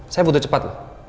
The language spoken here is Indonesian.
saya butuh cepat